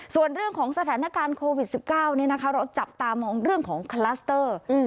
ส่วนเรื่องของสถานการณ์โควิด๑๙เราจับตามองเรื่องของคลัสเตอร์